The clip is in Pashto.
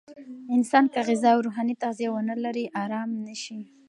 انسان که غذا او روحاني تغذیه ونلري، آرام نه شي.